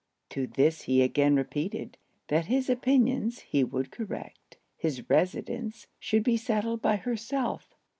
To this he again repeated, that his opinions he would correct; his residence should be settled by herself.